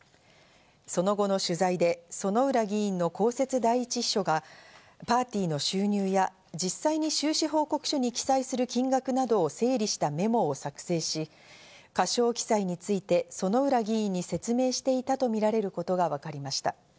その後の取材で薗浦議員の公設第一秘書がパーティーの収入や、実際に収支報告書に記載する金額などを整理したメモを作成し、過少記載について、薗浦議員に説明していたとみられることがわかりました。